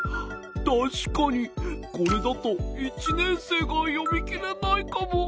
確かにこれだと１年生が読み切れないかも。